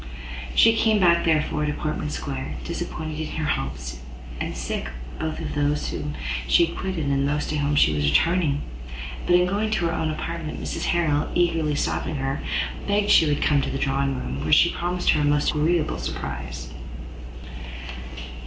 She came back, therefore, to Portman Square, disappointed in her hopes, and sick both of those whom she quitted and of those to whom she was returning; but in going to her own apartment Mrs Harrel, eagerly stopping her, begged she would come into the drawing room, where she promised her a most agreeable surprise.